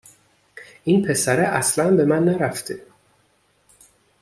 این پسره اصلن به من نرفته